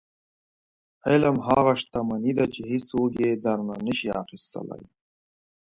• علم هغه شتمني ده چې هیڅوک یې درنه نشي اخیستلی.